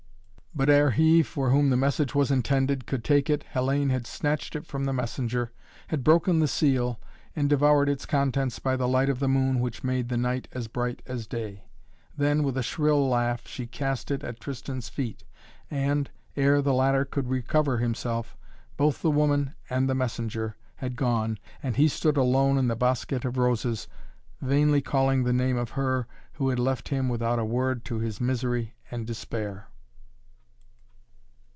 But ere he, for whom the message was intended, could take it, Hellayne had snatched it from the messenger, had broken the seal and devoured its contents by the light of the moon which made the night as bright as day. Then, with a shrill laugh, she cast it at Tristan's feet and, ere the latter could recover himself, both the woman and the messenger had gone and he stood alone in the bosquet of roses, vainly calling the name of her who had left him without a word to his misery and despair.